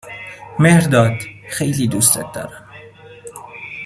مهرداد خیلی دوستت دارم.